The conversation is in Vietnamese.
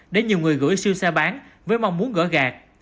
để nhiều người gửi siêu xe bán với mong muốn gỡ gạt